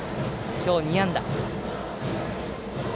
今日、２安打。